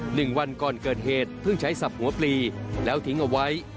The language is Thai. หนึ่งวันก่อนเกิดเหตุเพิ่งใช้สับหัวปลีแล้วทิ้งเอาไว้